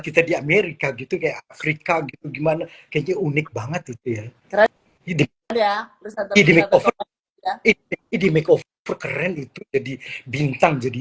kita di amerika gitu ya afrika gimana kayaknya unik banget itu ya keren itu jadi bintang jadi